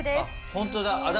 本当だ。